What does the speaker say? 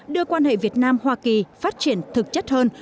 đưa quan hệ việt nam hoa kỳ phát triển thực chất hơn